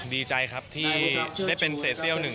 ดีใจครับที่ได้เป็นเศษเซี่ยวหนึ่ง